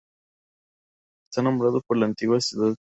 Está nombrado por la antigua ciudad griega de Olimpia.